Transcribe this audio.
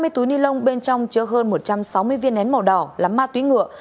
hai mươi túi ni lông bên trong chứa hơn một trăm sáu mươi viên nén màu đỏ là ma túy ngựa